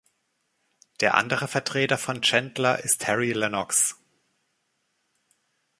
Der andere Vertreter von Chandler ist Terry Lennox.